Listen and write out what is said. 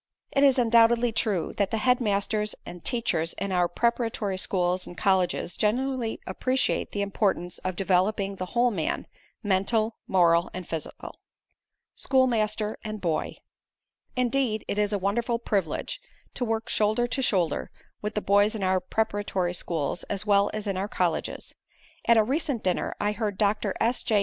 It is undoubtedly true that the head masters and teachers in our preparatory schools and colleges generally appreciate the importance of developing the whole man, mental, moral and physical. SCHOOLMASTER AND BOY Indeed it is a wonderful privilege to work shoulder to shoulder with the boys in our preparatory schools as well as in our colleges. At a recent dinner I heard Doctor S. J.